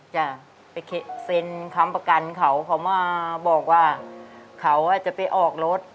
จะไปเซ็นค้ำประกันเขาเขามาบอกว่าเขาจะไปออกรถ